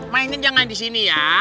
mainnya jangan disini ya